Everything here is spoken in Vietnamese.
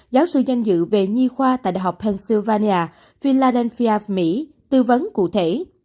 giáo sư danh dự về nhi khoa tại đại học pennsylvania philadelphia mỹ tư vấn cụ thể